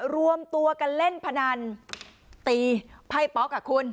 รวมตัวกันเล่นพนันตีไพ่ป๊อกอ่ะคุณ